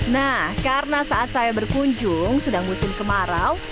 nah karena saat saya berkunjung sedang musim kemarau